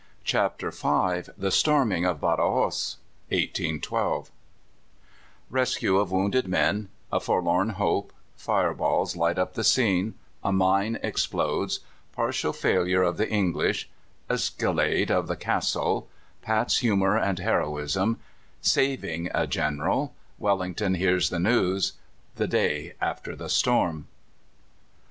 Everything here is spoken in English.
CHAPTER V THE STORMING OF BADAJOS (1812) Rescue of wounded men A forlorn hope Fire balls light up the scene A mine explodes Partial failure of the English Escalade of the castle Pat's humour and heroism Saving a General Wellington hears the news The day after the storm.